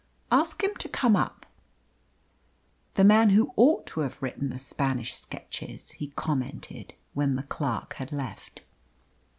"Ask him to come up." "The man who ought to have written the Spanish sketches," he commented, when the clerk had left.